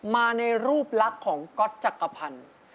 มาในรูปลักษณ์ของก๊อตจักรพันธ์